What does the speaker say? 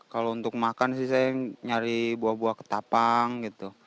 kalau untuk makan sih saya nyari buah buah ketapang gitu